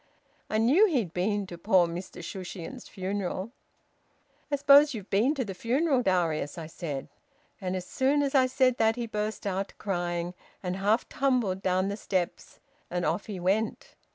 I knew he'd been to poor Mr Shushions's funeral. `I suppose you've been to the funeral, Darius,' I said. And as soon as I said that he burst out crying, and half tumbled down the steps, and off he went!